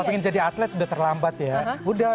maka ingin jadi atlet sudah terlambat ya